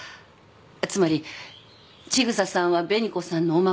つまり千草さんは紅子さんのお孫さんなのでは？